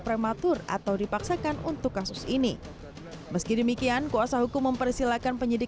prematur atau dipaksakan untuk kasus ini meski demikian kuasa hukum mempersilahkan penyidik